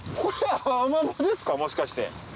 もしかして。